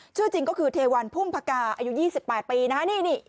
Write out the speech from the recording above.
ชื่อจริงก็คือเทวันพุ่มพกาอายุยี่สิบแปดปีนะฮะนี่นี่